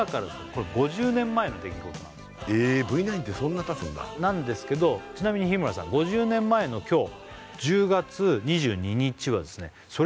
これ５０年前の出来事なんですえＶ９ってそんなたつんだなんですけどちなみに日村さんさあ何の日でしょう？